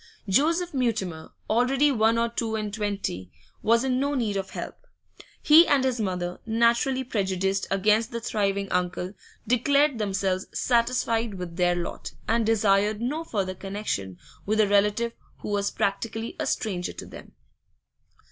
Joseph Mutimer, already one or two and twenty, was in no need of help; he and his mother, naturally prejudiced against the thriving uncle, declared themselves satisfied with their lot, and desired no further connection with a relative who was practically a stranger to them.